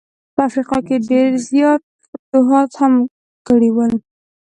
په افریقا کي یې ډېر زیات فتوحات هم کړي ول.